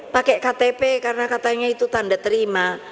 pakai ktp karena katanya itu tanda terima